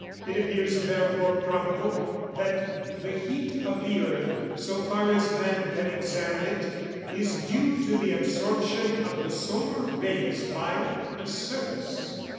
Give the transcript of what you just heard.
It appears therefore probable, that the heat of the earth, so far as man can examine it, is due to the absorption of the solar rays by the surface.